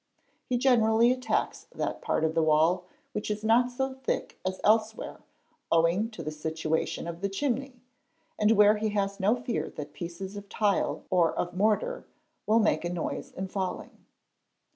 He generally attacks that part of the wall which is not so thick as elsewhere owing to the situation of the chimney, and where he has no fear that pieces of tile or of mortar will make a noise 'in falling.